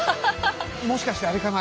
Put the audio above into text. もしかしてあれかな。